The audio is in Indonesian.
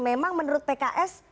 memang menurut pks